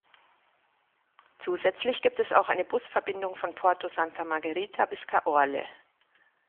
Zusätzlich gibt es auch eine Busverbindung von Porto Santa Margherita bis Caorle.